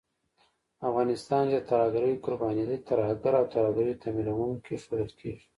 افغانستان چې د ترهګرۍ قرباني دی، ترهګر او د ترهګرۍ تمويلوونکی ښودل کېږي